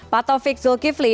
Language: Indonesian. pak taufik zulkifli